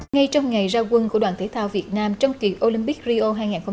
ngay trong ngày ra quân của đoàn thể thao việt nam trong kỳ olympic rio hai nghìn hai mươi bốn